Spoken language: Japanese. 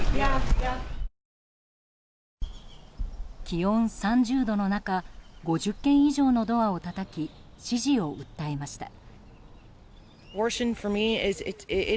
気温３０度の中５０軒以上のドアをたたき支持を訴えました。